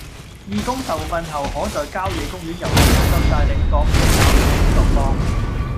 義工受訓後可在郊野公園遊客中心帶領各類教育工作坊